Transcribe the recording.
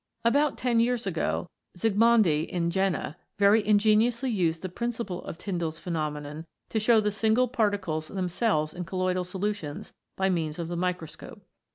About ten years ago Zsigmondy, in Jena, very ingeniously used the principle of Tyndall's pheno menon to show the single particles themselves in colloid solutions by means of the microscope.